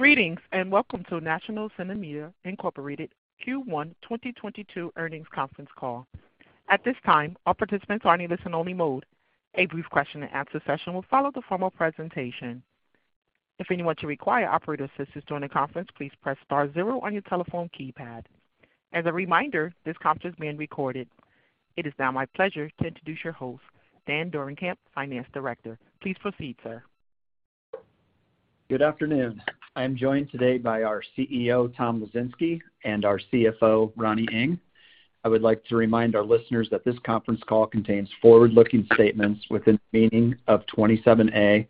Greetings, and welcome to National CineMedia, Inc. Q1 2022 earnings conference call. At this time, all participants are in listen-only mode. A brief question and answer session will follow the formal presentation. If anyone should require operator assistance during the conference, please press star zero on your telephone keypad. As a reminder, this conference is being recorded. It is now my pleasure to introduce your host, Dan Dorenkamp, Finance Director. Please proceed, sir. Good afternoon. I am joined today by our CEO, Tom Lesinski, and our CFO, Ronnie Ng. I would like to remind our listeners that this conference call contains forward-looking statements within the meaning of 27A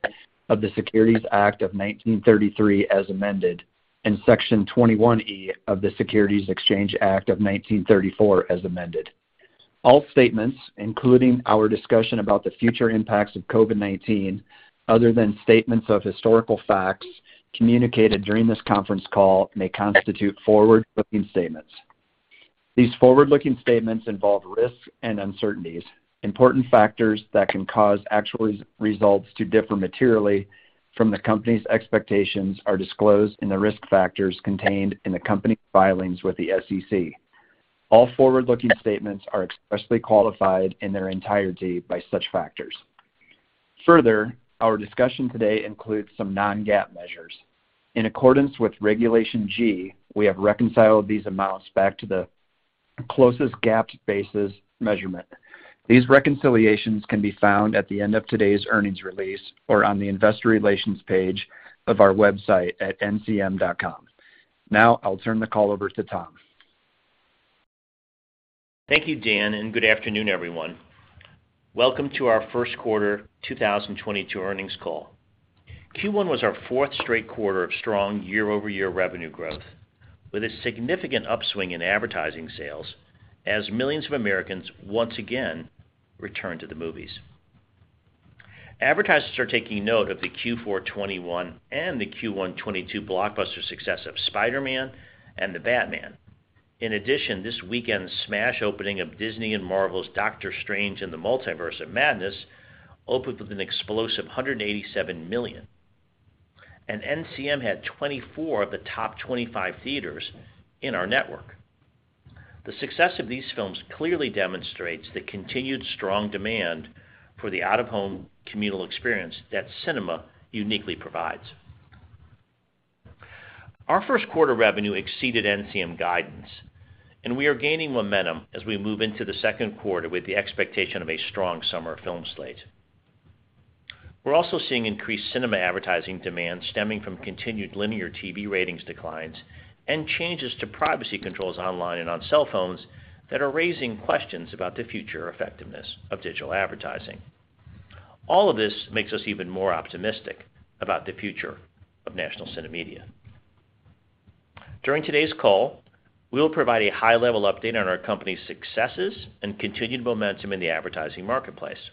of the Securities Act of 1933 as amended, and section 21E of the Securities Exchange Act of 1934 as amended. All statements, including our discussion about the future impacts of COVID-19, other than statements of historical facts communicated during this conference call, may constitute forward-looking statements. These forward-looking statements involve risks and uncertainties. Important factors that can cause actual results to differ materially from the company's expectations are disclosed in the risk factors contained in the company filings with the SEC. All forward-looking statements are expressly qualified in their entirety by such factors. Further, our discussion today includes some non-GAAP measures. In accordance with Regulation G, we have reconciled these amounts back to the closest GAAP measure. These reconciliations can be found at the end of today's earnings release or on the investor relations page of our website at ncm.com. Now, I'll turn the call over to Tom. Thank you, Dan, and good afternoon, everyone. Welcome to our first quarter 2022 earnings call. Q1 was our fourth straight quarter of strong year-over-year revenue growth, with a significant upswing in advertising sales as millions of Americans once again returned to the movies. Advertisers are taking note of the Q4 2021 and the Q1 2022 blockbuster success of Spider-Man and The Batman. In addition, this weekend's smash opening of Disney and Marvel's Doctor Strange in the Multiverse of Madness opened with an explosive $187 million, and NCM had 24 of the top 25 theaters in our network. The success of these films clearly demonstrates the continued strong demand for the out-of-home communal experience that cinema uniquely provides. Our first quarter revenue exceeded NCM guidance, and we are gaining momentum as we move into the second quarter with the expectation of a strong summer film slate. We're also seeing increased cinema advertising demand stemming from continued linear TV ratings declines and changes to privacy controls online and on cell phones that are raising questions about the future effectiveness of digital advertising. All of this makes us even more optimistic about the future of National CineMedia. During today's call, we will provide a high-level update on our company's successes and continued momentum in the advertising marketplace.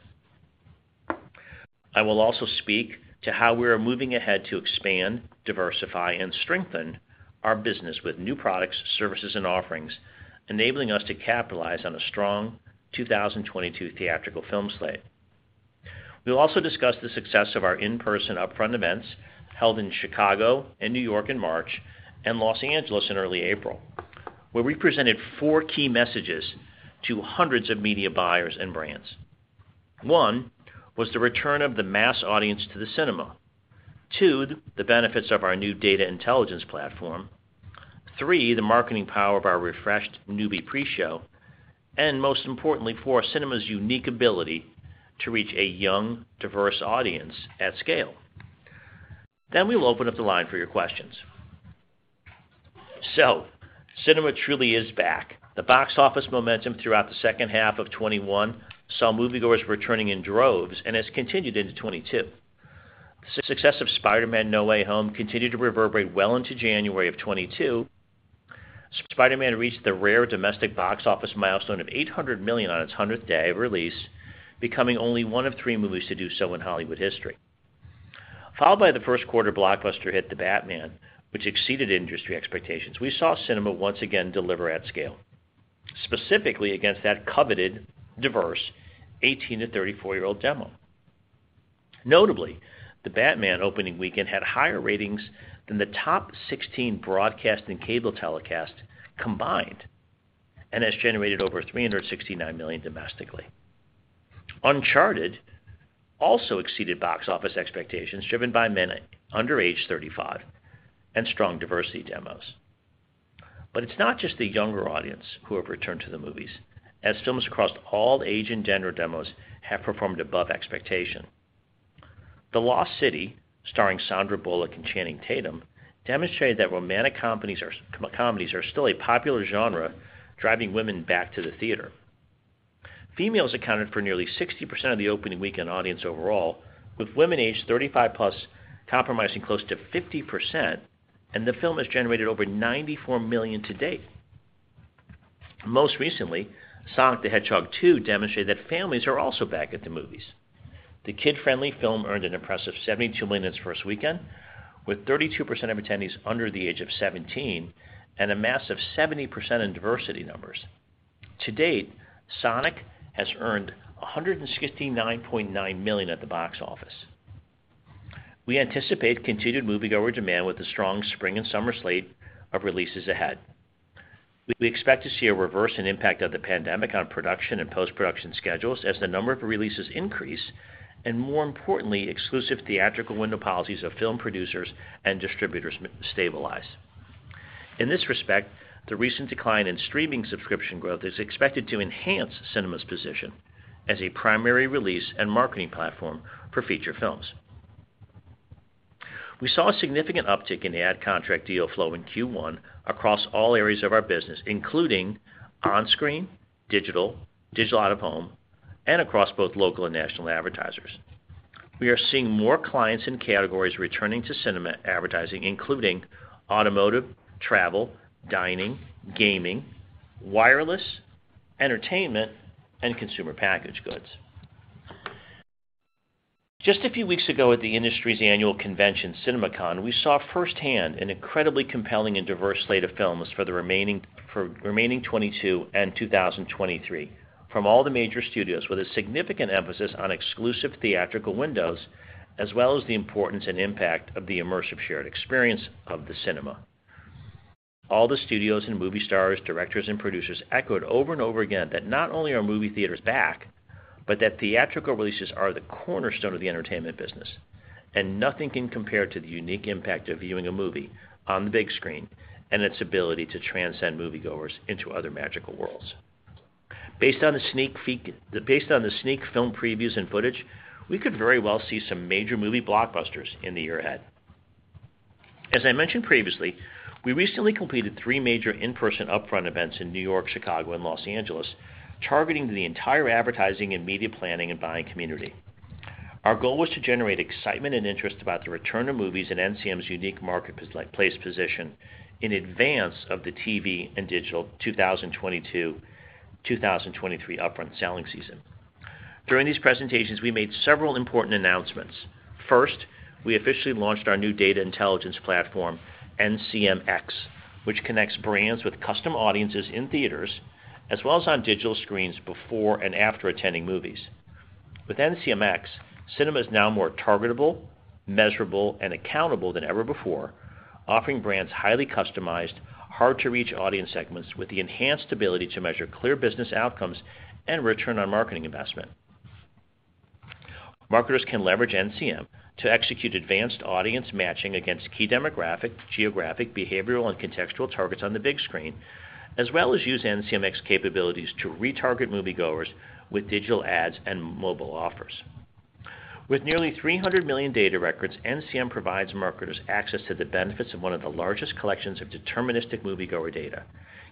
I will also speak to how we are moving ahead to expand, diversify, and strengthen our business with new products, services, and offerings, enabling us to capitalize on a strong 2022 theatrical film slate. We'll also discuss the success of our in-person upfront events held in Chicago and New York in March and Los Angeles in early April, where we presented four key messages to hundreds of media buyers and brands. One was the return of the mass audience to the cinema. Two, the benefits of our new data intelligence platform. Three, the marketing power of our refreshed Noovie pre-show. And most importantly, four, cinema's unique ability to reach a young, diverse audience at scale. We will open up the line for your questions. Cinema truly is back. The box office momentum throughout the second half of 2021 saw moviegoers returning in droves and has continued into 2022. The success of Spider-Man: No Way Home continued to reverberate well into January of 2022. Spider-Man reached the rare domestic box office milestone of $800 million on its 100th day of release, becoming only one of three movies to do so in Hollywood history. Followed by the first quarter blockbuster hit The Batman, which exceeded industry expectations, we saw cinema once again deliver at scale, specifically against that coveted diverse 18 to 34-year-old demo. Notably, The Batman opening weekend had higher ratings than the top 16 broadcast and cable telecasts combined and has generated over $369 million domestically. Uncharted also exceeded box office expectations driven by men under age 35 and strong diversity demos. It's not just the younger audience who have returned to the movies, as films across all age and gender demos have performed above expectation. The Lost City, starring Sandra Bullock and Channing Tatum, demonstrated that comedies are still a popular genre, driving women back to the theater. Females accounted for nearly 60% of the opening weekend audience overall, with women aged 35+ comprising close to 50%, and the film has generated over $94 million to date. Most recently, Sonic the Hedgehog 2 demonstrated that families are also back at the movies. The kid-friendly film earned an impressive $72 million its first weekend, with 32% of attendees under the age of 17 and a massive 70% in diversity numbers. To date, Sonic has earned $169.9 million at the box office. We anticipate continued moviegoer demand with the strong spring and summer slate of releases ahead. We expect to see a reverse in impact of the pandemic on production and post-production schedules as the number of releases increase, and more importantly, exclusive theatrical window policies of film producers and distributors stabilize. In this respect, the recent decline in streaming subscription growth is expected to enhance cinema's position as a primary release and marketing platform for feature films. We saw a significant uptick in the ad contract deal flow in Q1 across all areas of our business, including on-screen, digital out-of-home, and across both local and national advertisers. We are seeing more clients and categories returning to cinema advertising, including automotive, travel, dining, gaming, wireless, entertainment, and consumer packaged goods. Just a few weeks ago at the industry's annual convention, CinemaCon, we saw firsthand an incredibly compelling and diverse slate of films for remaining 2022 and 2023 from all the major studios with a significant emphasis on exclusive theatrical windows, as well as the importance and impact of the immersive shared experience of the cinema. All the studios and movie stars, directors, and producers echoed over and over again that not only are movie theaters back, but that theatrical releases are the cornerstone of the entertainment business, and nothing can compare to the unique impact of viewing a movie on the big screen and its ability to transcend moviegoers into other magical worlds. Based on the sneak film previews and footage, we could very well see some major movie blockbusters in the year ahead. As I mentioned previously, we recently completed three major in-person upfront events in New York, Chicago, and Los Angeles, targeting the entire advertising and media planning and buying community. Our goal was to generate excitement and interest about the return to movies and NCM's unique marketplace position in advance of the TV and digital 2022/2023 upfront selling season. During these presentations, we made several important announcements. First, we officially launched our new data intelligence platform, NCMx, which connects brands with custom audiences in theaters as well as on digital screens before and after attending movies. With NCMx, cinema is now more targetable, measurable, and accountable than ever before, offering brands highly customized, hard-to-reach audience segments with the enhanced ability to measure clear business outcomes and return on marketing investment. Marketers can leverage NCM to execute advanced audience matching against key demographic, geographic, behavioral, and contextual targets on the big screen, as well as use NCMx capabilities to retarget moviegoers with digital ads and mobile offers. With nearly 300 million data records, NCM provides marketers access to the benefits of one of the largest collections of deterministic moviegoer data,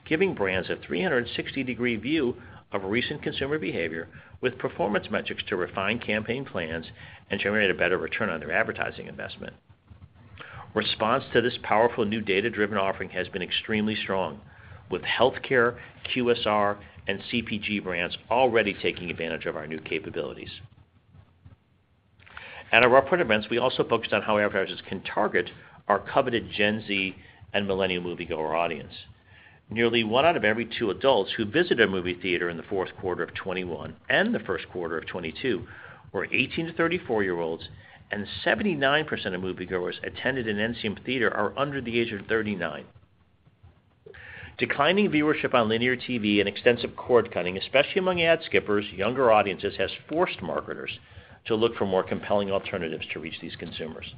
giving brands a 360-degree view of recent consumer behavior with performance metrics to refine campaign plans and generate a better return on their advertising investment. Response to this powerful new data-driven offering has been extremely strong, with healthcare, QSR, and CPG brands already taking advantage of our new capabilities. At our upfront events, we also focused on how advertisers can target our coveted Gen Z and millennial moviegoer audience. Nearly one out of every two adults who visited a movie theater in the fourth quarter of 2021 and the first quarter of 2022 were 18- to 34-year-olds, and 79% of moviegoers attended an NCM theater are under the age of 39. Declining viewership on linear TV and extensive cord-cutting, especially among ad skippers, younger audiences, has forced marketers to look for more compelling alternatives to reach these consumers.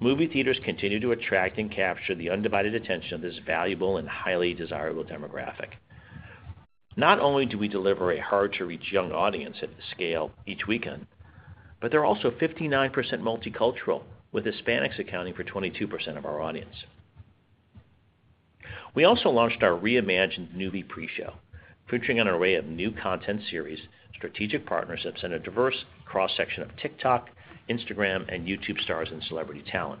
Movie theaters continue to attract and capture the undivided attention of this valuable and highly desirable demographic. Not only do we deliver a hard-to-reach young audience at the scale each weekend, but they're also 59% multicultural, with Hispanics accounting for 22% of our audience. We also launched our reimagined Noovie preshow, featuring an array of new content series, strategic partnerships, and a diverse cross-section of TikTok, Instagram, and YouTube stars and celebrity talent.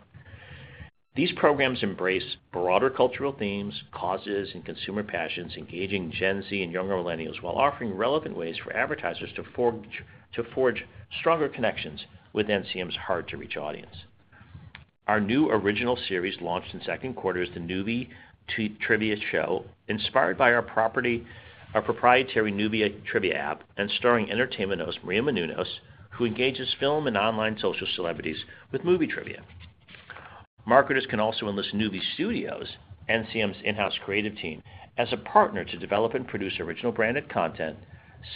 These programs embrace broader cultural themes, causes, and consumer passions, engaging Gen Z and younger millennials while offering relevant ways for advertisers to forge stronger connections with NCM's hard-to-reach audience. Our new original series launched in the second quarter is the Noovie Trivia Show, inspired by our proprietary Noovie trivia app and starring entertainment host Maria Menounos, who engages film and online social celebrities with movie trivia. Marketers can also enlist Noovie Studios, NCM's in-house creative team, as a partner to develop and produce original branded content,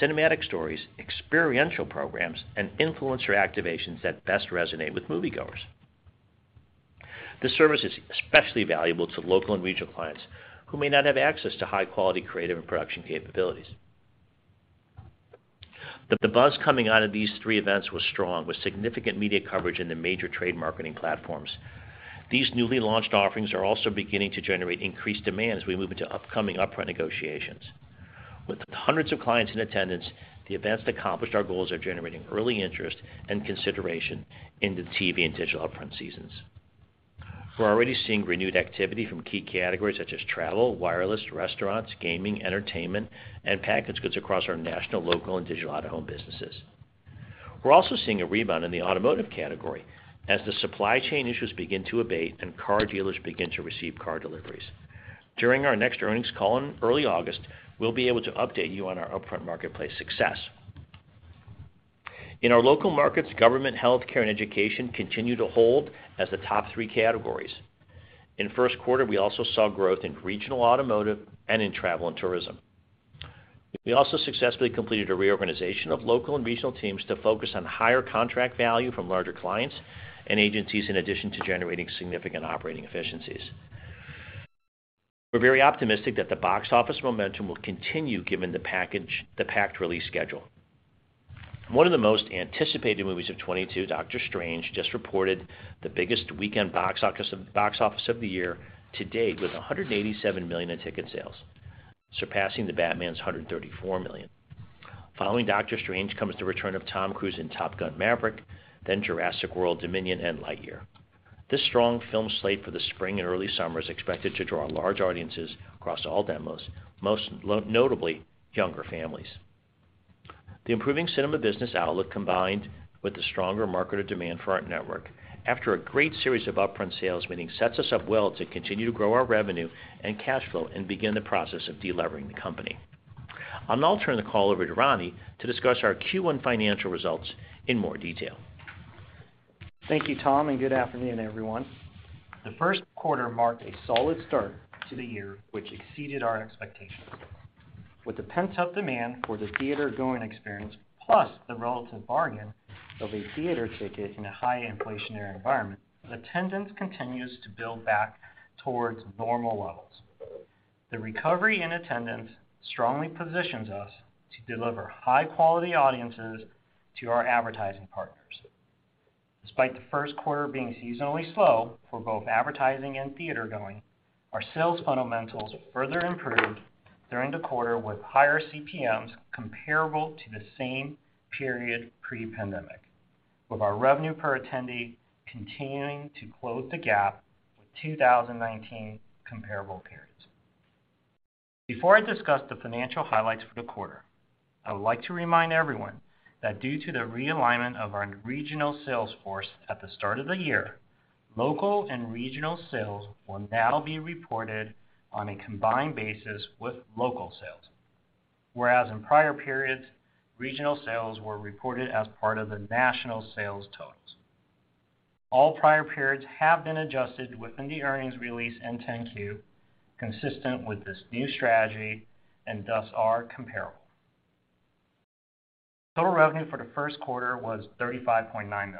cinematic stories, experiential programs, and influencer activations that best resonate with moviegoers. This service is especially valuable to local and regional clients who may not have access to high-quality creative and production capabilities. The buzz coming out of these three events was strong, with significant media coverage in the major trade marketing platforms. These newly launched offerings are also beginning to generate increased demand as we move into upcoming upfront negotiations. With hundreds of clients in attendance, the events accomplished our goals of generating early interest and consideration in the TV and digital upfront seasons. We're already seeing renewed activity from key categories such as travel, wireless, restaurants, gaming, entertainment, and packaged goods across our national, local, and digital out-of-home businesses. We're also seeing a rebound in the automotive category as the supply chain issues begin to abate and car dealers begin to receive car deliveries. During our next earnings call in early August, we'll be able to update you on our upfront marketplace success. In our local markets, government, healthcare, and education continue to hold as the top three categories. In first quarter, we also saw growth in regional automotive and in travel and tourism. We also successfully completed a reorganization of local and regional teams to focus on higher contract value from larger clients and agencies, in addition to generating significant operating efficiencies. We're very optimistic that the box office momentum will continue given the packed release schedule. One of the most anticipated movies of 2022, Doctor Strange, just reported the biggest weekend box office of the year to date, with $187 million in ticket sales, surpassing The Batman's $134 million. Following Doctor Strange comes the return of Tom Cruise in Top Gun: Maverick, then Jurassic World: Dominion and Lightyear. This strong film slate for the spring and early summer is expected to draw large audiences across all demos, most notably younger families. The improving cinema business outlook, combined with the stronger market demand for our network after a great series of upfront sales, meaning sets us up well to continue to grow our revenue and cash flow and begin the process of delevering the company. I'll now turn the call over to Ronnie to discuss our Q1 financial results in more detail. Thank you, Tom, and good afternoon, everyone. The first quarter marked a solid start to the year, which exceeded our expectations. With the pent-up demand for the theater-going experience, plus the relative bargain of a theater ticket in a high inflationary environment, attendance continues to build back towards normal levels. The recovery in attendance strongly positions us to deliver high-quality audiences to our advertising partners. Despite the first quarter being seasonally slow for both advertising and theater-going, our sales fundamentals further improved during the quarter with higher CPMs comparable to the same period pre-pandemic, with our revenue per attendee continuing to close the gap with 2019 comparable periods. Before I discuss the financial highlights for the quarter, I would like to remind everyone that due to the realignment of our regional sales force at the start of the year, local and regional sales will now be reported on a combined basis with local sales. Whereas in prior periods, regional sales were reported as part of the national sales totals. All prior periods have been adjusted within the earnings release and 10-Q, consistent with this new strategy, and thus are comparable. Total revenue for the first quarter was $35.9 million,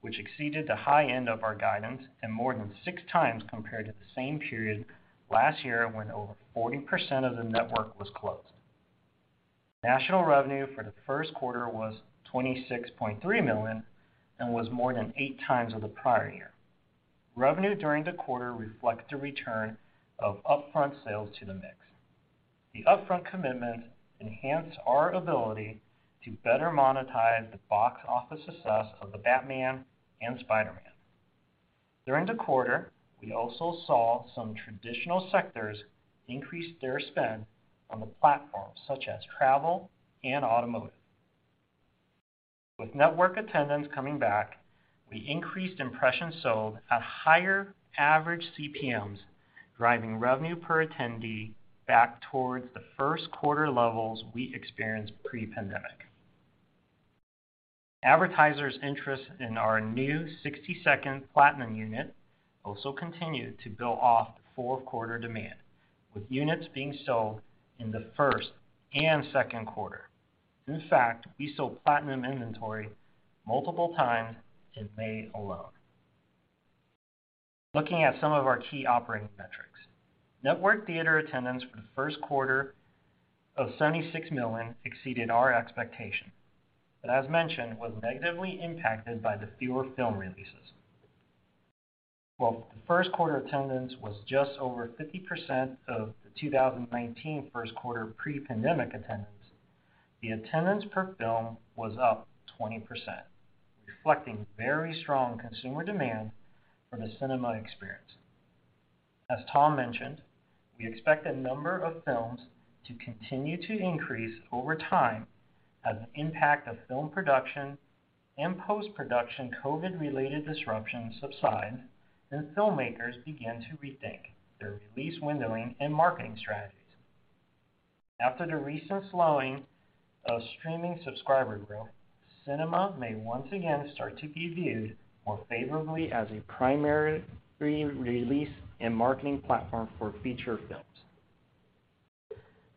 which exceeded the high end of our guidance and more than 6x compared to the same period last year when over 40% of the network was closed. National revenue for the first quarter was $26.3 million and was more than 8x the prior year. Revenue during the quarter reflect the return of upfront sales to the mix. The upfront commitment enhanced our ability to better monetize the box office success of The Batman and Spider-Man. During the quarter, we also saw some traditional sectors increase their spend on the platform, such as travel and automotive. With network attendance coming back, we increased impressions sold at higher average CPMs, driving revenue per attendee back towards the first quarter levels we experienced pre-pandemic. Advertisers' interest in our new 60-second Platinum unit also continued to build off the four-quarter demand, with units being sold in the first and second quarter. In fact, we sold Platinum inventory multiple times in May alone. Looking at some of our key operating metrics. Network theater attendance for the first quarter of 76 million exceeded our expectation, but as mentioned, was negatively impacted by the fewer film releases. While the first quarter attendance was just over 50% of the 2019 first quarter pre-pandemic attendance, the attendance per film was up 20%, reflecting very strong consumer demand for the cinema experience. As Tom mentioned, we expect the number of films to continue to increase over time as the impact of film production and post-production COVID-related disruptions subside and filmmakers begin to rethink their release windowing and marketing strategies. After the recent slowing of streaming subscriber growth, cinema may once again start to be viewed more favorably as a primary release and marketing platform for feature films.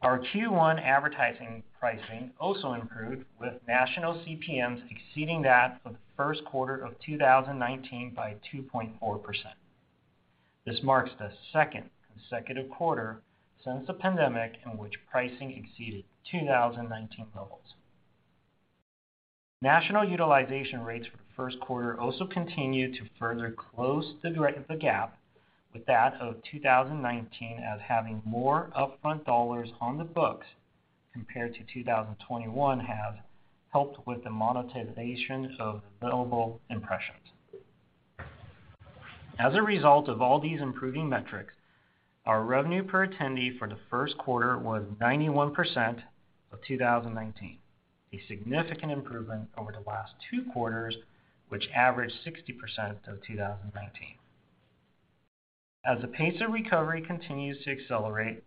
Our Q1 advertising pricing also improved, with national CPMs exceeding that of the first quarter of 2019 by 2.4%. This marks the second consecutive quarter since the pandemic in which pricing exceeded 2019 levels. National utilization rates for the first quarter also continued to further close the gap with that of 2019 as having more upfront dollars on the books compared to 2021 have helped with the monetization of available impressions. As a result of all these improving metrics, our revenue per attendee for the first quarter was 91% of 2019, a significant improvement over the last two quarters, which averaged 60% of 2019. As the pace of recovery continues to accelerate,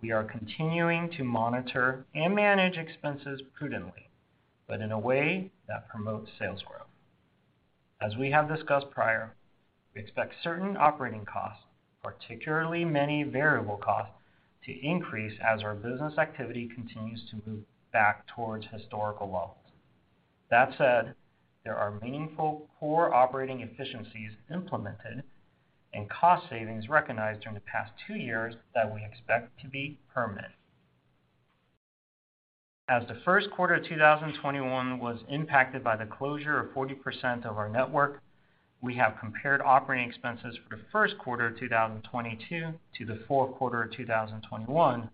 we are continuing to monitor and manage expenses prudently, but in a way that promotes sales growth. As we have discussed prior, we expect certain operating costs, particularly many variable costs, to increase as our business activity continues to move back towards historical levels. That said, there are meaningful core operating efficiencies implemented and cost savings recognized during the past two years that we expect to be permanent. As the first quarter 2021 was impacted by the closure of 40% of our network, we have compared operating expenses for the first quarter 2022 to the fourth quarter of 2021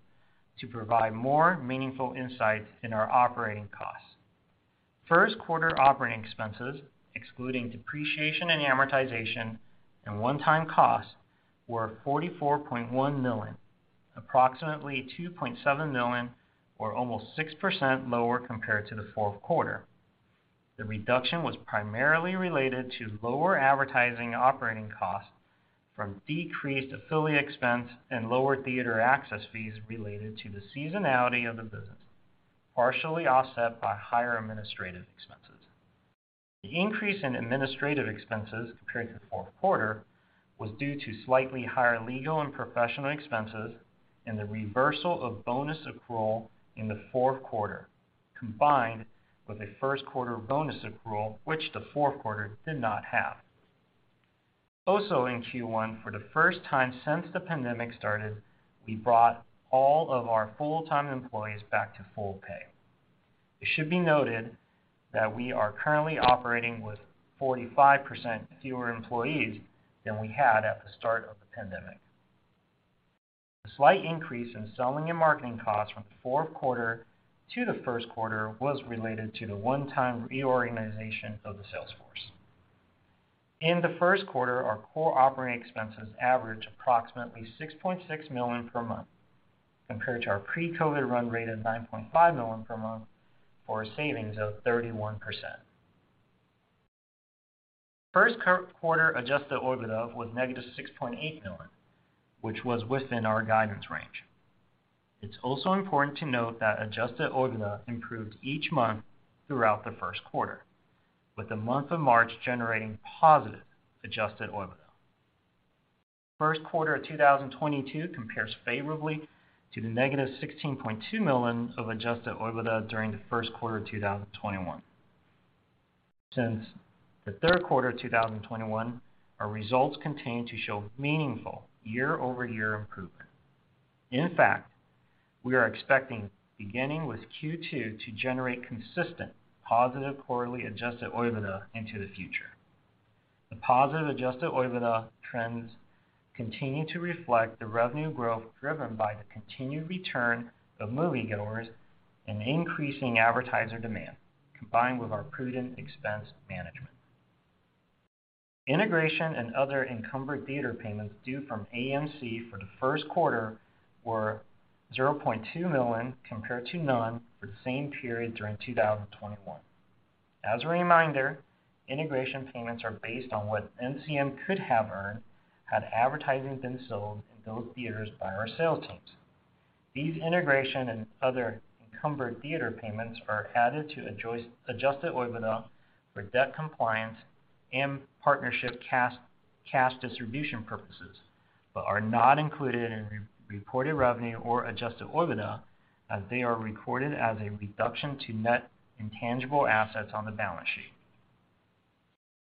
to provide more meaningful insight into our operating costs. First quarter operating expenses, excluding depreciation and amortization and one-time costs, were $44.1 million, approximately $2.7 million or almost 6% lower compared to the fourth quarter. The reduction was primarily related to lower advertising operating costs from decreased affiliate expense and lower theater access fees related to the seasonality of the business, partially offset by higher administrative expenses. The increase in administrative expenses compared to the fourth quarter was due to slightly higher legal and professional expenses and the reversal of bonus accrual in the fourth quarter, combined with a first quarter bonus accrual which the fourth quarter did not have. Also in Q1, for the first time since the pandemic started, we brought all of our full-time employees back to full pay. It should be noted that we are currently operating with 45% fewer employees than we had at the start of the pandemic. The slight increase in selling and marketing costs from the fourth quarter to the first quarter was related to the one-time reorganization of the sales force. In the first quarter, our core operating expenses averaged approximately $6.6 million per month compared to our pre-COVID run rate of $9.5 million per month, for a savings of 31%. First quarter adjusted OIBDA was -$6.8 million, which was within our guidance range. It's also important to note that adjusted OIBDA improved each month throughout the first quarter, with the month of March generating positive adjusted OIBDA. First quarter 2022 compares favorably to the -$16.2 million of adjusted OIBDA during the first quarter of 2021. Since the third quarter 2021, our results continue to show meaningful year-over-year improvement. In fact, we are expecting, beginning with Q2, to generate consistent positive quarterly adjusted OIBDA into the future. The positive adjusted OIBDA trends continue to reflect the revenue growth driven by the continued return of moviegoers and increasing advertiser demand, combined with our prudent expense management. Integration and other encumbered theater payments due from AMC for the first quarter were $0.2 million compared to none for the same period during 2021. As a reminder, integration payments are based on what NCM could have earned had advertising been sold in those theaters by our sales teams. These integration and other encumbered theater payments are added to adjusted OIBDA for debt compliance and partnership cash distribution purposes, but are not included in reported revenue or adjusted OIBDA as they are recorded as a reduction to net intangible assets on the balance sheet.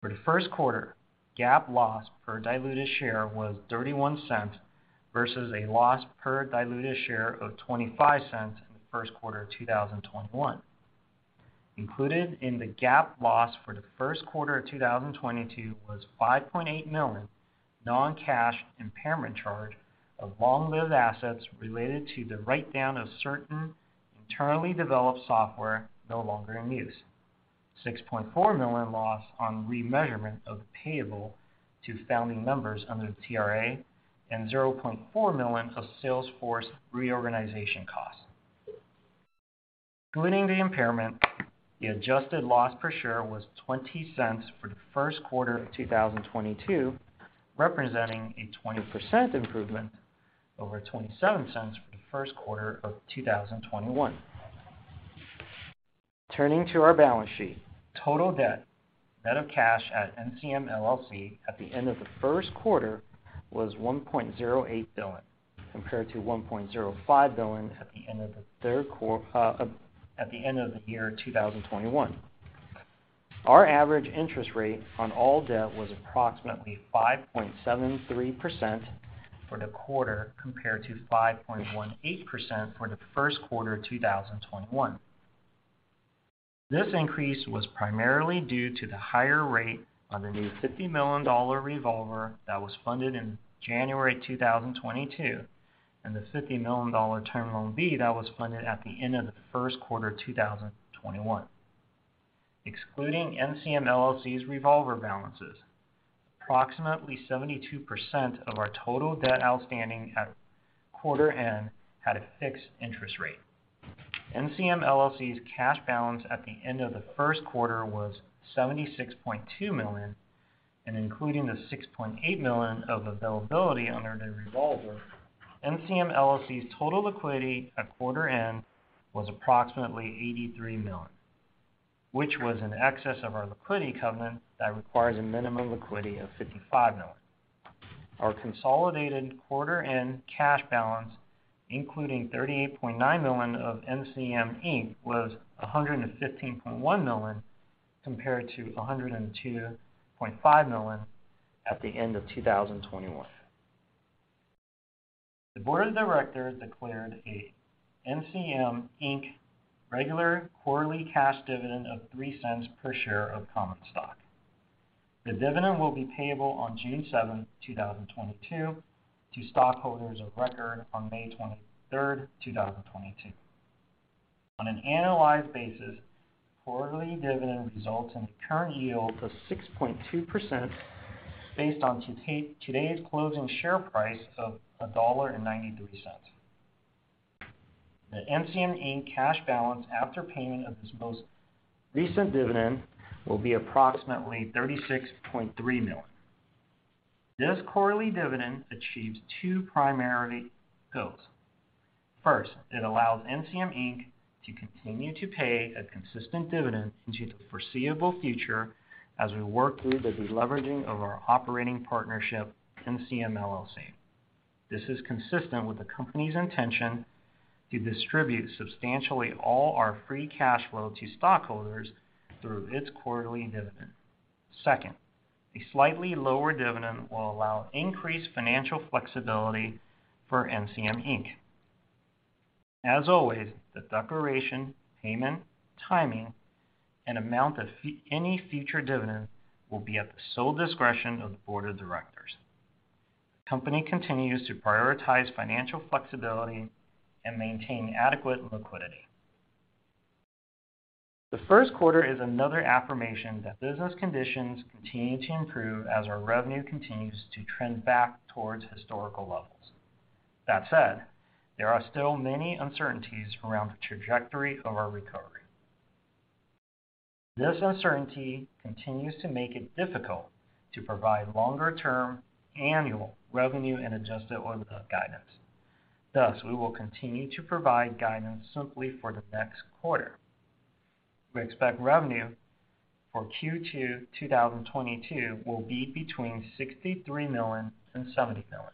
For the first quarter, GAAP loss per diluted share was $0.31 versus a loss per diluted share of $0.25 in the first quarter of 2021. Included in the GAAP loss for the first quarter of 2022 was $5.8 million non-cash impairment charge of long-lived assets related to the write-down of certain internally developed software no longer in use, $6.4 million loss on remeasurement of payable to founding members under the TRA, and $0.4 million of Salesforce reorganization costs. Excluding the impairment, the adjusted loss per share was $0.20 for the first quarter of 2022, representing a 20% improvement over $0.27 for the first quarter of 2021. Turning to our balance sheet, total debt net of cash at NCM LLC at the end of the first quarter was $1.08 billion, compared to $1.05 billion at the end of the year 2021. Our average interest rate on all debt was approximately 5.73% for the quarter, compared to 5.18% for the first quarter of 2021. This increase was primarily due to the higher rate on the new $50 million revolver that was funded in January 2022 and the $50 million Term Loan B that was funded at the end of the first quarter of 2021. Excluding NCM LLC's revolver balances, approximately 72% of our total debt outstanding at quarter end had a fixed interest rate. NCM LLC's cash balance at the end of the first quarter was $76.2 million, and including the $6.8 million of availability under the revolver, NCM LLC's total liquidity at quarter end was approximately $83 million, which was in excess of our liquidity covenant that requires a minimum liquidity of $55 million. Our consolidated quarter end cash balance, including $38.9 million of NCM Inc., was $115.1 million, compared to $102.5 million at the end of 2021. The board of directors declared a NCM Inc. regular quarterly cash dividend of $0.03 per share of common stock. The dividend will be payable on June 7th, 2022 to stockholders of record on May 23rd, 2022. On an annualized basis, quarterly dividend results in a current yield of 6.2% based on today's closing share price of $1.93. The NCM Inc. cash balance after payment of this most recent dividend will be approximately $36.3 million. This quarterly dividend achieves two primary goals. First, it allows NCM Inc. to continue to pay a consistent dividend into the foreseeable future as we work through the deleveraging of our operating partnership, NCM LLC. This is consistent with the company's intention to distribute substantially all our free cash flow to stockholders through its quarterly dividend. Second, a slightly lower dividend will allow increased financial flexibility for NCM Inc. As always, the declaration, payment, timing, and amount of any future dividend will be at the sole discretion of the board of directors. The company continues to prioritize financial flexibility and maintain adequate liquidity. The first quarter is another affirmation that business conditions continue to improve as our revenue continues to trend back towards historical levels. That said, there are still many uncertainties around the trajectory of our recovery. This uncertainty continues to make it difficult to provide longer-term annual revenue and adjusted OIBDA guidance. Thus, we will continue to provide guidance simply for the next quarter. We expect revenue for Q2 2022 will be between $63 million and $70 million,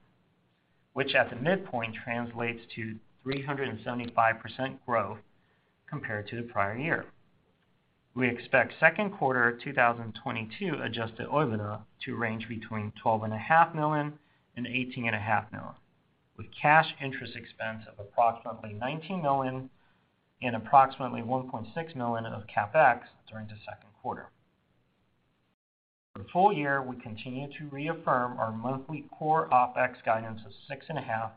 which at the midpoint translates to 375% growth compared to the prior year. We expect second quarter 2022 adjusted OIBDA to range between $12.5 million and $18.5 million, with cash interest expense of approximately $19 million and approximately $1.6 million of CapEx during the second quarter. For the full year, we continue to reaffirm our monthly core OpEx guidance of $6.5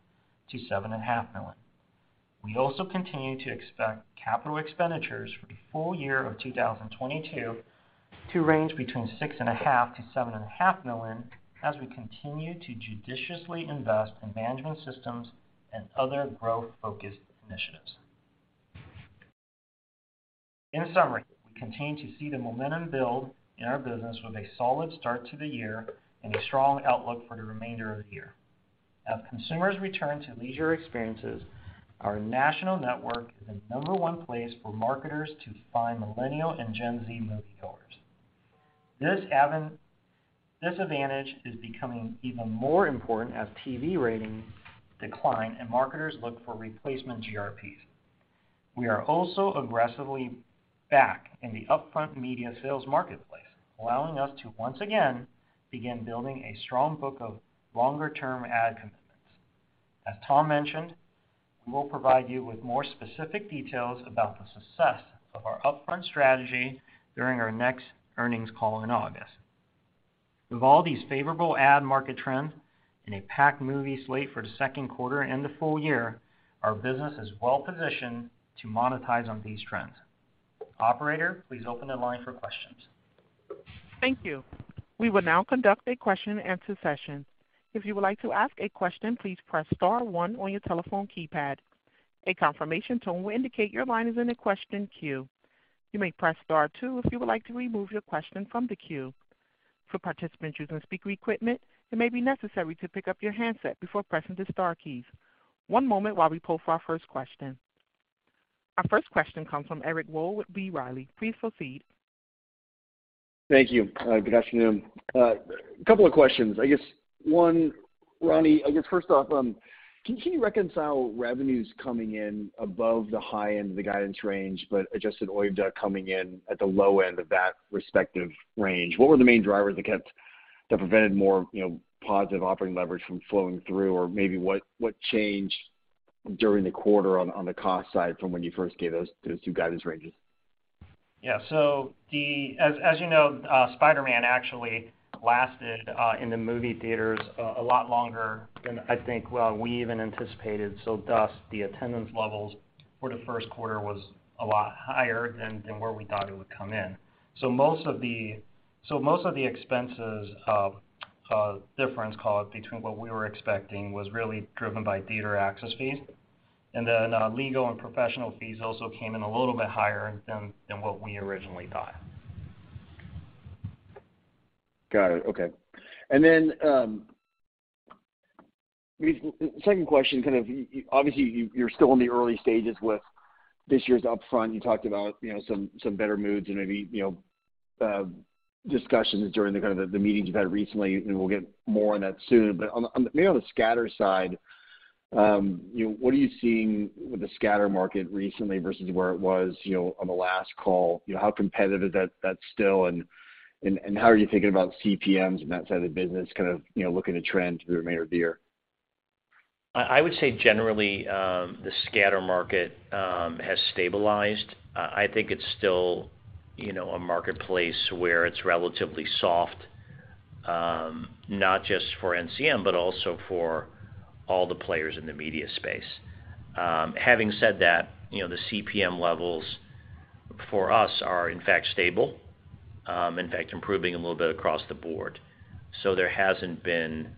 million-$7.5 million. We also continue to expect capital expenditures for the full year of 2022 to range between $6.5 million-$7.5 million as we continue to judiciously invest in management systems and other growth-focused initiatives. In summary, we continue to see the momentum build in our business with a solid start to the year and a strong outlook for the remainder of the year. As consumers return to leisure experiences, our national network is the number one place for marketers to find Millennial and Gen Z moviegoers. This advantage is becoming even more important as TV ratings decline and marketers look for replacement GRPs. We are also aggressively back in the upfront media sales marketplace, allowing us to once again begin building a strong book of longer-term ad commitments. As Tom mentioned, we will provide you with more specific details about the success of our upfront strategy during our next earnings call in August. With all these favorable ad market trends and a packed movie slate for the second quarter and the full year, our business is well-positioned to monetize on these trends. Operator, please open the line for questions. Thank you. We will now conduct a question and answer session. If you would like to ask a question, please press star one on your telephone keypad. A confirmation tone will indicate your line is in the question queue. You may press star two if you would like to remove your question from the queue. For participants using speaker equipment, it may be necessary to pick up your handset before pressing the star keys. One moment while we pull for our first question. Our first question comes from Eric Wold with B. Riley. Please proceed. Thank you. Good afternoon. A couple of questions. I guess one, Ronnie, I guess first off, can you reconcile revenues coming in above the high end of the guidance range, but adjusted OIBDA coming in at the low end of that respective range? What were the main drivers that prevented more, you know, positive operating leverage from flowing through? Or maybe what changed during the quarter on the cost side from when you first gave those two guidance ranges? Yeah. As you know, Spider-Man actually lasted in the movie theaters a lot longer than I think we even anticipated. Thus, the attendance levels for the first quarter was a lot higher than where we thought it would come in. Most of the expenses The difference, y'all, between what we were expecting was really driven by theater access fees. Then, legal and professional fees also came in a little bit higher than what we originally thought. Got it. Okay. The second question kind of, you obviously you're still in the early stages with this year's upfront. You talked about, you know, some better moods and maybe, you know, discussions during the kind of meetings you've had recently, and we'll get more on that soon. But maybe on the scatter side, you know, what are you seeing with the scatter market recently versus where it was, you know, on the last call? You know, how competitive is that still, and how are you thinking about CPMs and that side of the business kind of, you know, looking to trend through the remainder of the year? I would say generally, the scatter market has stabilized. I think it's still, you know, a marketplace where it's relatively soft, not just for NCM, but also for all the players in the media space. Having said that, you know, the CPM levels for us are in fact stable, in fact improving a little bit across the board. There hasn't been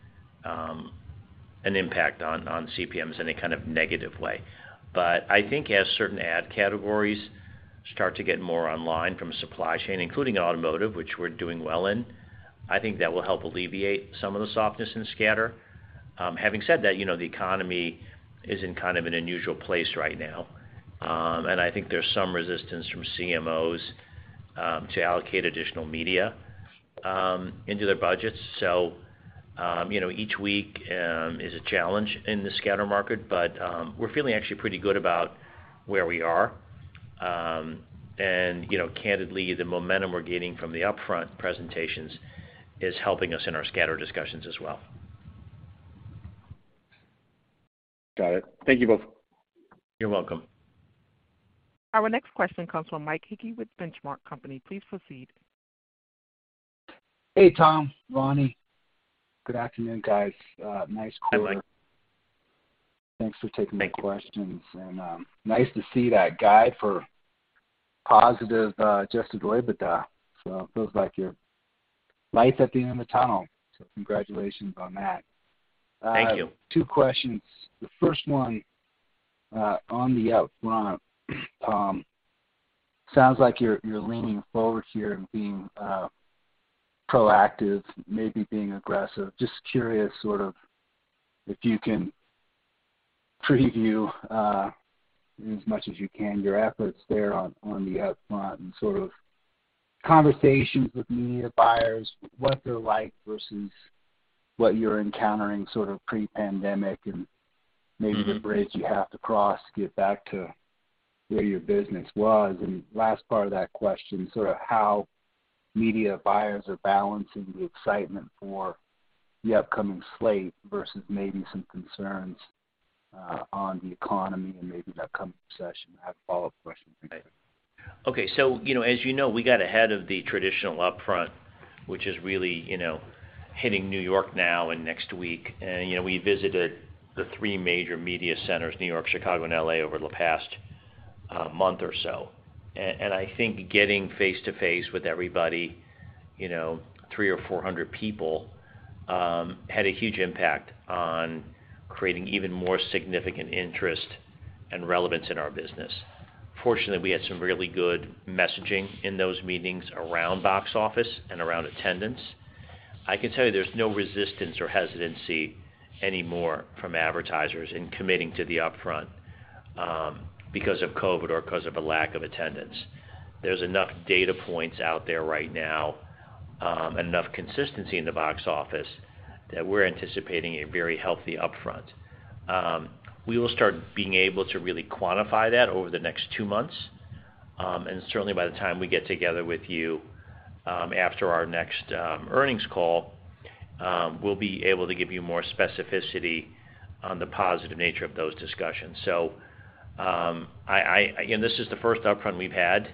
an impact on CPMs in a kind of negative way. I think as certain ad categories start to get more online from a supply chain, including automotive, which we're doing well in, I think that will help alleviate some of the softness in scatter. Having said that, you know, the economy is in kind of an unusual place right now. I think there's some resistance from CMOs to allocate additional media into their budgets. You know, each week is a challenge in the scatter market, but we're feeling actually pretty good about where we are. You know, candidly, the momentum we're getting from the upfront presentations is helping us in our scatter discussions as well. Got it. Thank you both. You're welcome. Our next question comes from Mike Hickey with The Benchmark Company. Please proceed. Hey, Tom, Ronnie. Good afternoon, guys. Nice quarter. Hi, Mike. Thanks for taking the questions. Nice to see that guidance for positive adjusted OBDA. It feels like light at the end of the tunnel, congratulations on that. Thank you. Two questions. The first one on the upfront. Sounds like you're leaning forward here and being proactive, maybe being aggressive. Just curious sort of if you can preview as much as you can your efforts there on the upfront and sort of conversations with media buyers, what they're like versus what you're encountering sort of pre-pandemic, and maybe the bridge you have to cross to get back to where your business was. Last part of that question, sort of how media buyers are balancing the excitement for the upcoming slate versus maybe some concerns on the economy and maybe the upcoming recession. I have a follow-up question for you. Okay. You know, as you know, we got ahead of the traditional upfront, which is really, you know, hitting New York now and next week. You know, we visited the three major media centers, New York, Chicago, and L.A., over the past month or so. I think getting face-to-face with everybody, you know, 300 or 400 people, had a huge impact on creating even more significant interest and relevance in our business. Fortunately, we had some really good messaging in those meetings around box office and around attendance. I can tell you there's no resistance or hesitancy anymore from advertisers in committing to the upfront, because of COVID or 'cause of a lack of attendance. There's enough data points out there right now, and enough consistency in the box office that we're anticipating a very healthy upfront. We will start being able to really quantify that over the next two months. Certainly by the time we get together with you, after our next earnings call, we'll be able to give you more specificity on the positive nature of those discussions. Again, this is the first upfront we've had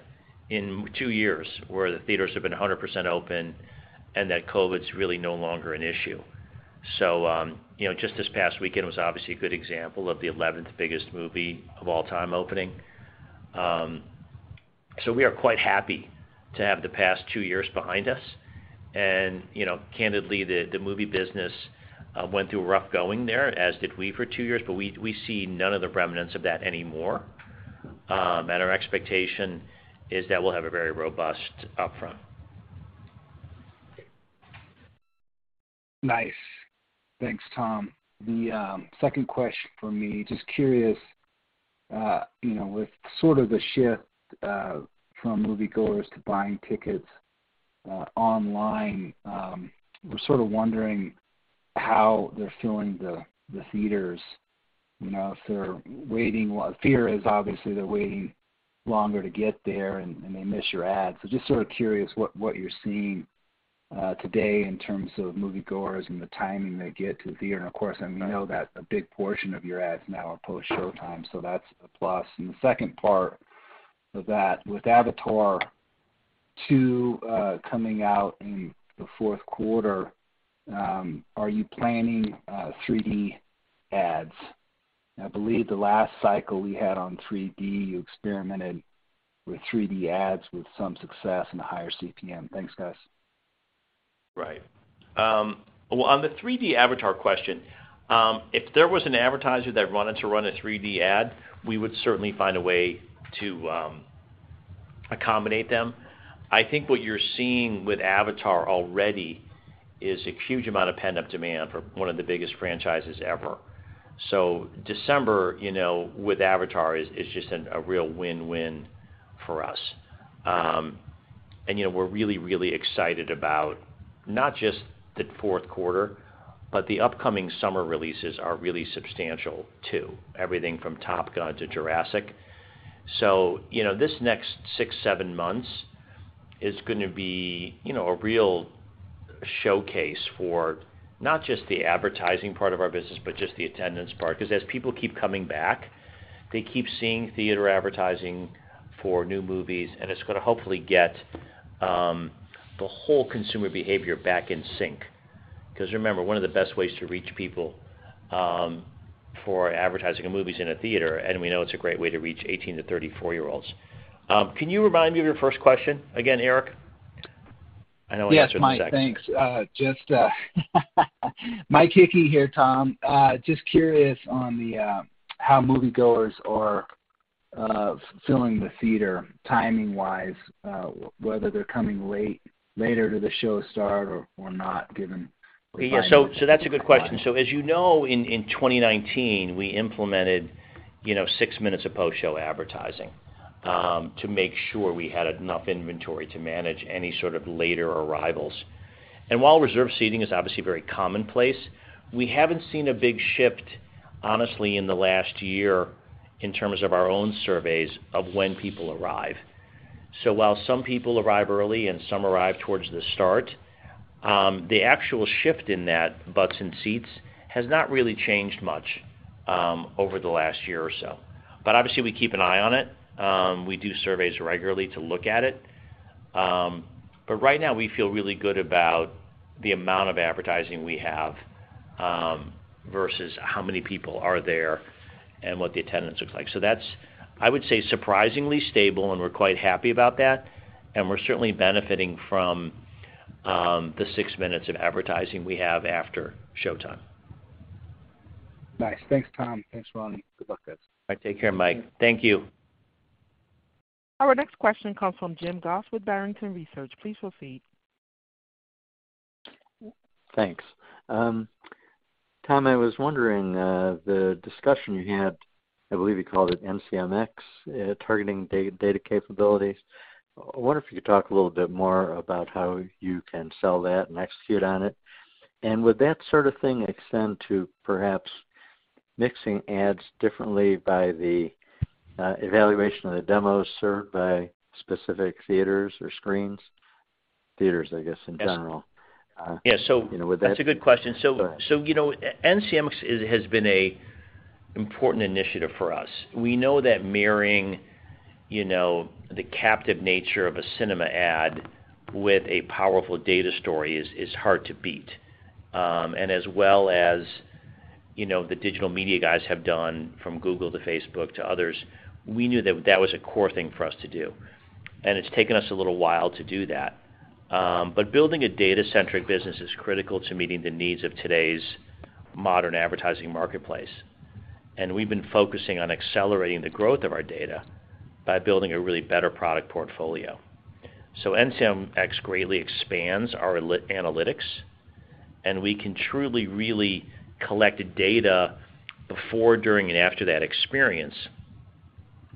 in two years where the theaters have been 100% open and that COVID's really no longer an issue. You know, just this past weekend was obviously a good example of the eleventh biggest movie of all time opening. We are quite happy to have the past two years behind us. You know, candidly, the movie business went through a rough going there, as did we for two years, but we see none of the remnants of that anymore. Our expectation is that we'll have a very robust upfront. Nice. Thanks, Tom. The second question from me, just curious, you know, with sort of the shift from moviegoers to buying tickets online, we're sort of wondering how they're filling the theaters. You know, if they're waiting longer to get there and they miss your ad. So just sort of curious what you're seeing today in terms of moviegoers and the timing they get to the theater. Of course, I know that a big portion of your ads now are post-showtime, so that's a plus. The second part of that, with Avatar 2 coming out in the fourth quarter, are you planning 3D ads? I believe the last cycle we had on 3D, you experimented with 3D ads with some success and a higher CPM. Thanks, guys. Right. Well, on the 3D Avatar question, if there was an advertiser that wanted to run a 3D ad, we would certainly find a way to accommodate them. I think what you're seeing with Avatar already is a huge amount of pent-up demand for one of the biggest franchises ever. December, you know, with Avatar is just a real win-win for us. You know, we're really, really excited about not just the fourth quarter, but the upcoming summer releases are really substantial too. Everything from Top Gun to Jurassic. You know, this next six, seven months is gonna be, you know, a real showcase for not just the advertising part of our business, but just the attendance part. 'Cause as people keep coming back, they keep seeing theater advertising for new movies, and it's gonna hopefully get the whole consumer behavior back in sync. 'Cause remember, one of the best ways to reach people for advertising a movie is in a theater, and we know it's a great way to reach 18 to 34-year-olds. Can you remind me of your first question again, Eric? I know I answered Mike's. Yes, Mike. Thanks. Just, Mike Hickey here, Tom. Just curious on the how moviegoers are filling the theater timing-wise, whether they're coming later to the show start or not, given Yeah. That's a good question. As you know, in 2019, we implemented, you know, six minutes of post-show advertising to make sure we had enough inventory to manage any sort of later arrivals. While reserve seating is obviously very commonplace, we haven't seen a big shift, honestly, in the last year in terms of our own surveys of when people arrive. While some people arrive early and some arrive towards the start, the actual shift in that butts in seats has not really changed much over the last year or so. Obviously, we keep an eye on it. We do surveys regularly to look at it. Right now, we feel really good about the amount of advertising we have versus how many people are there and what the attendance looks like. That's, I would say, surprisingly stable, and we're quite happy about that, and we're certainly benefiting from the 6 minutes of advertising we have after showtime. Nice. Thanks, Tom. Thanks, Ronnie. Good luck, guys. All right, take care, Mike. Thank you. Our next question comes from Jim Goss with Barrington Research. Please proceed. Thanks. Tom, I was wondering, the discussion you had, I believe you called it NCMx, targeting data capabilities. I wonder if you could talk a little bit more about how you can sell that and execute on it. Would that sort of thing extend to perhaps mixing ads differently by the evaluation of the demos served by specific theaters or screens? Theaters, I guess, in general. Yes. You know, would that. That's a good question. Go ahead. You know, NCMx has been an important initiative for us. We know that marrying, you know, the captive nature of a cinema ad with a powerful data story is hard to beat. As well as, you know, the digital media guys have done from Google to Facebook to others, we knew that that was a core thing for us to do, and it's taken us a little while to do that. Building a data-centric business is critical to meeting the needs of today's modern advertising marketplace. We've been focusing on accelerating the growth of our data by building a really better product portfolio. NCMx greatly expands our analytics, and we can truly, really collect data before, during, and after that experience,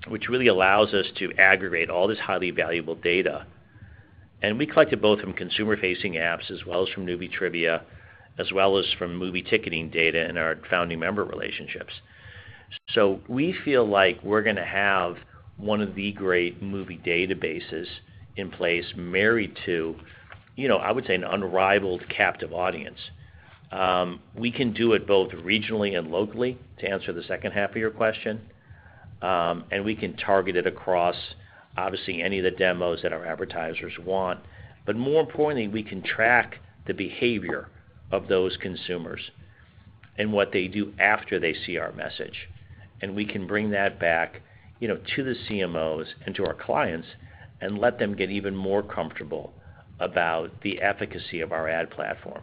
which really allows us to aggregate all this highly valuable data. We collect it both from consumer-facing apps as well as from movie trivia, as well as from movie ticketing data and our founding member relationships. We feel like we're gonna have one of the great movie databases in place married to, you know, I would say an unrivaled captive audience. We can do it both regionally and locally, to answer the second half of your question. We can target it across, obviously, any of the demos that our advertisers want. More importantly, we can track the behavior of those consumers and what they do after they see our message. We can bring that back, you know, to the CMOs and to our clients and let them get even more comfortable about the efficacy of our ad platform.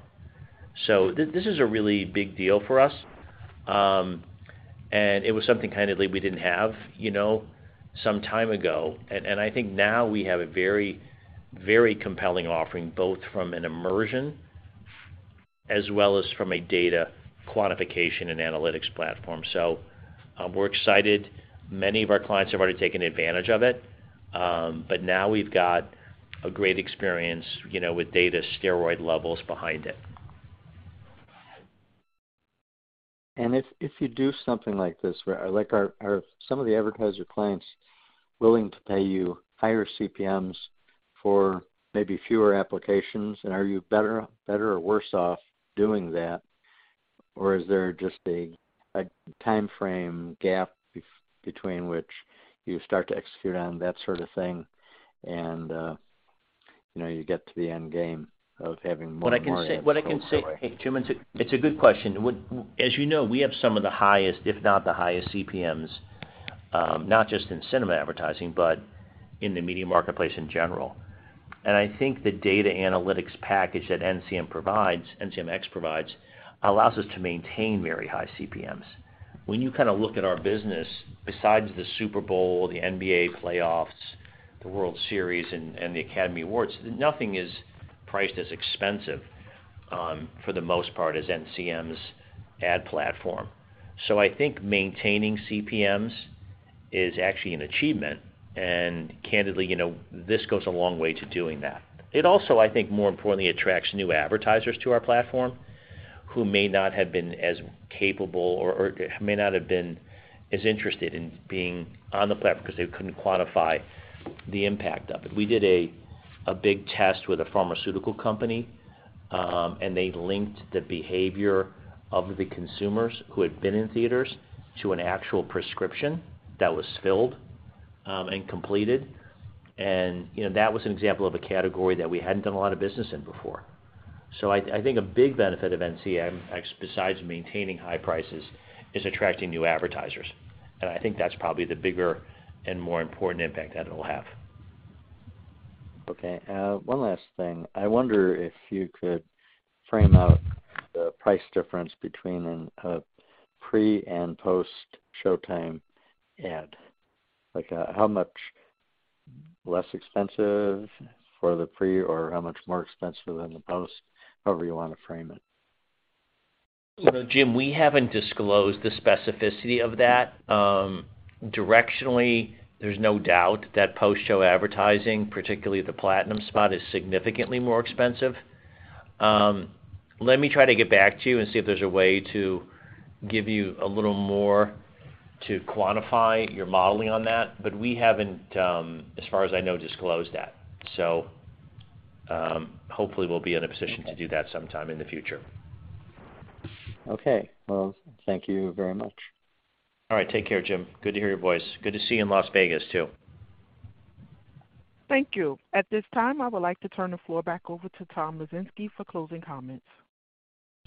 This is a really big deal for us, and it was something candidly we didn't have, you know, some time ago. I think now we have a very, very compelling offering, both from an immersion as well as from a data quantification and analytics platform. We're excited. Many of our clients have already taken advantage of it, but now we've got a great experience, you know, with data steroid levels behind it. If you do something like this, like, are some of the advertiser clients willing to pay you higher CPMs for maybe fewer applications? Are you better or worse off doing that? Is there just a timeframe gap between which you start to execute on that sort of thing and, you know, you get to the end game of having more and more- What I can say. Hey, Jim, it's a good question. As you know, we have some of the highest, if not the highest CPMs, not just in cinema advertising, but in the media marketplace in general. I think the data analytics package that NCM provides, NCMx provides, allows us to maintain very high CPMs. When you kinda look at our business, besides the Super Bowl, the NBA playoffs, the World Series, and the Academy Awards, nothing is priced as expensive, for the most part, as NCM's ad platform. I think maintaining CPMs is actually an achievement, and candidly, you know, this goes a long way to doing that. It also, I think, more importantly, attracts new advertisers to our platform who may not have been as capable or may not have been as interested in being on the platform because they couldn't quantify the impact of it. We did a big test with a pharmaceutical company, and they linked the behavior of the consumers who had been in theaters to an actual prescription that was filled and completed. You know, that was an example of a category that we hadn't done a lot of business in before. I think a big benefit of NCMx, besides maintaining high prices, is attracting new advertisers. I think that's probably the bigger and more important impact that it'll have. Okay. One last thing. I wonder if you could frame out the price difference between a pre and post-showtime ad. Like, how much less expensive for the pre or how much more expensive than the post? However you wanna frame it. You know, Jim, we haven't disclosed the specificity of that. Directionally, there's no doubt that post-show advertising, particularly the Platinum spot, is significantly more expensive. Let me try to get back to you and see if there's a way to give you a little more to quantify your modeling on that. But we haven't, as far as I know, disclosed that. Hopefully we'll be in a position to do that sometime in the future. Okay. Well, thank you very much. All right. Take care, Jim. Good to hear your voice. Good to see you in Las Vegas, too. Thank you. At this time, I would like to turn the floor back over to Tom Lesinski for closing comments.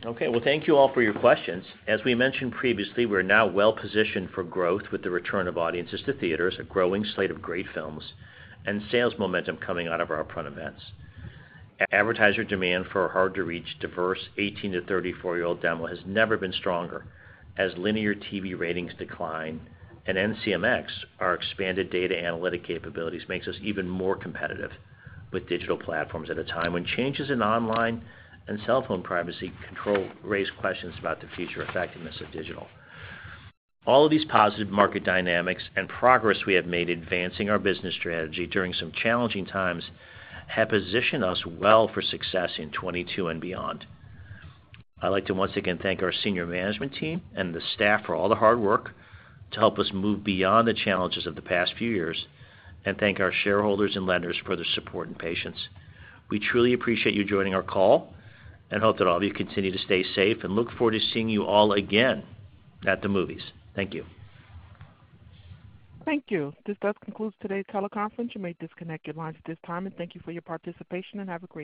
Okay. Well, thank you all for your questions. As we mentioned previously, we're now well-positioned for growth with the return of audiences to theaters, a growing slate of great films, and sales momentum coming out of our upfront events. Advertiser demand for our hard-to-reach, diverse 18 to 34-year-old demo has never been stronger as linear TV ratings decline. At NCMx, our expanded data analytic capabilities makes us even more competitive with digital platforms at a time when changes in online and cell phone privacy control raise questions about the future effectiveness of digital. All of these positive market dynamics and progress we have made advancing our business strategy during some challenging times have positioned us well for success in 2022 and beyond. I'd like to once again thank our senior management team and the staff for all the hard work to help us move beyond the challenges of the past few years, and thank our shareholders and lenders for their support and patience. We truly appreciate you joining our call and hope that all of you continue to stay safe and look forward to seeing you all again at the movies. Thank you. Thank you. This does conclude today's teleconference. You may disconnect your lines at this time. Thank you for your participation, and have a great day.